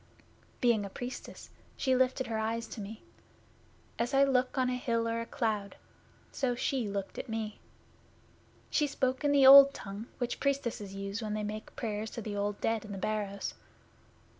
Being a Priestess, she lifted her eyes to me. As I look on a hill or a cloud, so she looked at me. She spoke in the Old Tongue which Priestesses use when they make prayers to the Old Dead in the Barrows.